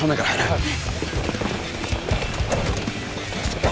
はい。